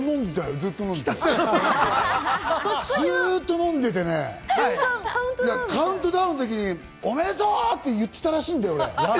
ずっと飲んでてね、カウントダウンの時に、おめでとう！って言ってたらしいんだよ、俺。